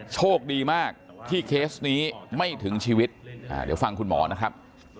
โชคดีมากที่เคสนี้ไม่ถึงชีวิตเดี๋ยวฟังคุณหมอนะครับ